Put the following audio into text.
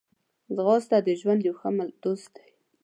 ځغاسته د ژوند یو ښه دوست دی